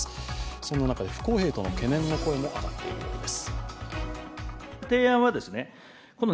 そんな中で、不公平との懸念の声も上がっているようです。